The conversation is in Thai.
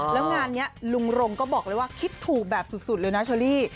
แล้วงานนี้ลุงรงก็บอกเลยว่าคิดถูกแบบสุดเลยนะเชอรี่